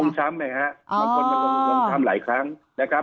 ลงช้ำนะครับลงช้ำหลายครั้งนะครับ